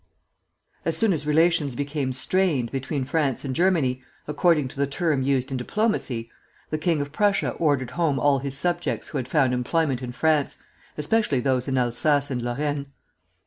As soon as relations became "strained" between France and Germany, according to the term used in diplomacy, the king of Prussia ordered home all his subjects who had found employment in France, especially those in Alsace and Lorraine.